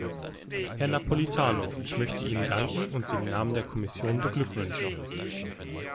Herr Napolitano, ich möchte Ihnen danken und Sie im Namen der Kommission beglückwünschen.